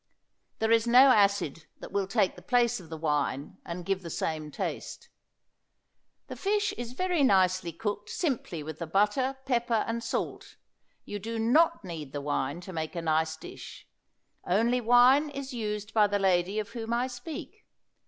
There is no acid that will take the place of the wine and give the same taste. The fish is very nice cooked simply with the butter, pepper and salt. You do not need the wine to make a nice dish, only wine is used by the lady of whom I speak.